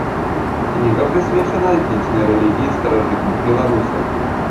Кніга прысвечана этнічнай рэлігіі старажытных беларусаў.